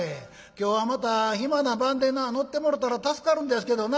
今日はまた暇な晩でな乗ってもろたら助かるんですけどな」。